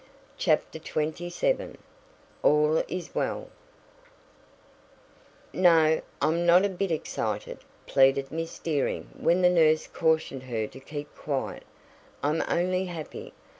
CHAPTER XXVII ALL IS WELL "No, I'm not a bit excited," pleaded Miss Dearing when the nurse cautioned her to keep quiet. "I'm only happy.